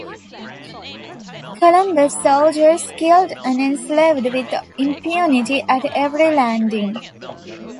Columbus's soldiers killed and enslaved with impunity at every landing.